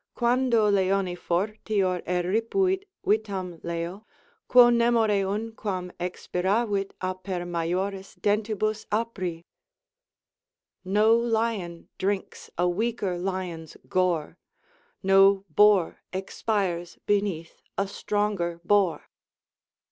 Quando leoni Fortior eripuit vitam leo? quo nemore unquam Expiravit aper majoris dentibus apri? "No lion drinks a weaker lion's gore, No boar expires beneath a stronger boar."